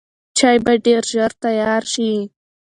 چای به ډېر ژر تیار شي.